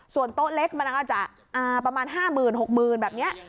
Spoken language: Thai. ส่วนโต๊ะเล็กมันก็จะอ่าประมาณห้าหมื่นหกหมื่นแบบเนี้ย